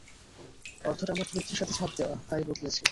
অর্থটা আমার চরিত্রের সাথে ছাপ দেয়া, তাই বদলেছি।